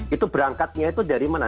itu berangkatnya itu dari mana